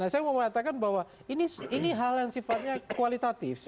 saya mau mengatakan bahwa ini hal yang sifatnya kualitatif